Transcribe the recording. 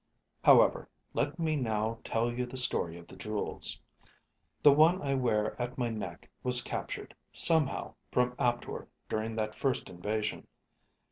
However, let me now tell you the story of the jewels. The one I wear at my neck was captured, somehow, from Aptor during that first invasion.